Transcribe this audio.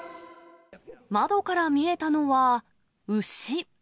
窓から見えたのは牛。